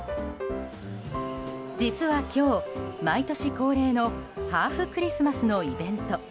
実は今日、毎年恒例のハーフクリスマスのイベント。